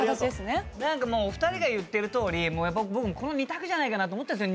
なんかお二人が言ってるとおり僕もこの２択じゃないかなと思ったんですよ